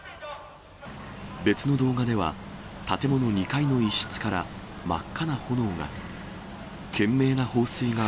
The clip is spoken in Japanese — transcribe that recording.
別の動画では、建物２階の一室から、真っ赤な炎が。